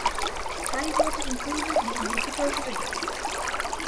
High water increases these difficulty ratings.